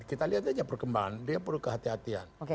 kita lihat aja perkembangan dia penuh kehati hatian